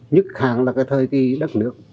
nhức khẳng là cái thời kỳ đất nước